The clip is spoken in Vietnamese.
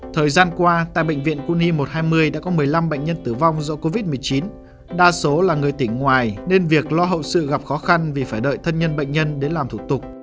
thời gian qua tại bệnh viện quân y một trăm hai mươi đã có một mươi năm bệnh nhân tử vong do covid một mươi chín đa số là người tỉnh ngoài nên việc lo hậu sự gặp khó khăn vì phải đợi thân nhân bệnh nhân đến làm thủ tục